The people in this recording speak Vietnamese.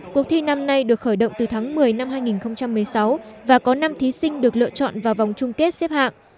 cuộc thi năm nay được khởi động từ tháng một mươi năm hai nghìn một mươi sáu và có năm thí sinh được lựa chọn vào vòng chung kết xếp hạng